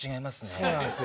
そうなんですよ。